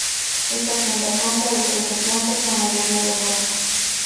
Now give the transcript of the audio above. Esta tienda consta de trece plantas, la mayoría de ropa.